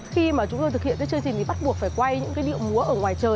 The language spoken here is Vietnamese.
khi mà chúng tôi thực hiện chương trình thì bắt buộc phải quay những điệu múa ở ngoài trời